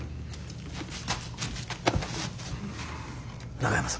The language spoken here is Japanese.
中山様。